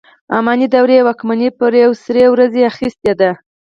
اماني دورې واکمني پر یوې سرې ورځې اخیستې ده.